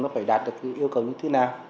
nó phải đạt được yêu cầu như thế nào